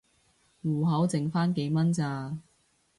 戶口剩番幾蚊咋